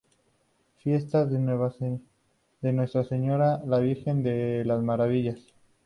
Fiestas de Nuestra Señora la Virgen de las Maravillas.